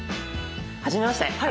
はじめまして。